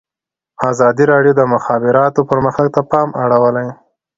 ازادي راډیو د د مخابراتو پرمختګ ته پام اړولی.